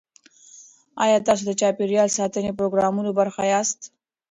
ایا تاسو د چاپیریال ساتنې پروګرامونو برخه یاست؟